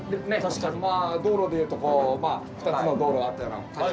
道路でいうと２つの道路あったような感じ。